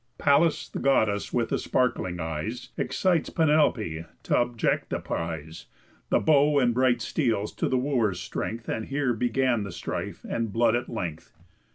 Pallas, the Goddess with the sparkling eyes, Excites Penelope t' object the prize, The bow and bright steels, to the Wooers' strength And here began the strife and blood at length.